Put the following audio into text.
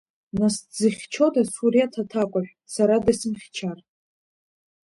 Нас дызхьчода Суреҭ аҭакәажә, сара дысмыхьчар…